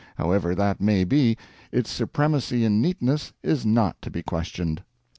However that may be, its supremacy in neatness is not to be questioned.